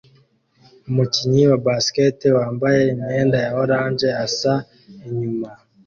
Umukinnyi wa basketball wambaye imyenda ya orange asa inyuma